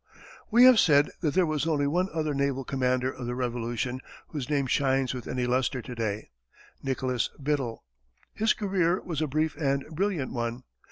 We have said that there was only one other naval commander of the Revolution whose name shines with any lustre to day Nicholas Biddle. His career was a brief and brilliant one.